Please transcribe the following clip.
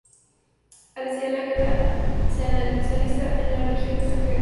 Al estallar la guerra, se alista en la Legión Extranjera.